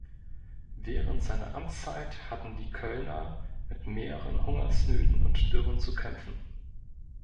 Während seiner Amtszeit hatten die Kölner mit mehreren Hungersnöten und Dürren zu kämpfen.